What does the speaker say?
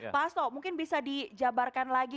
pak hasto mungkin bisa dijabarkan lagi